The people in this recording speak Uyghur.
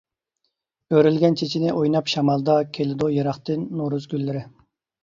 ئۆرۈلگەن چېچىنى ئويناپ شامالدا، كېلىدۇ يىراقتىن نورۇز گۈللىرى.